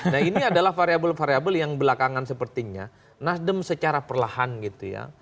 nah ini adalah variable variable yang belakangan sepertinya nasdem secara perlahan gitu ya